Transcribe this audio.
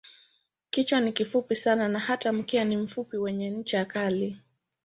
Kichwa ni kifupi sana na hata mkia ni mfupi wenye ncha kali.